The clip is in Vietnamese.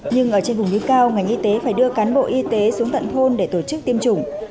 nhưng ở trên vùng núi cao ngành y tế phải đưa cán bộ y tế xuống tận thôn để tổ chức tiêm chủng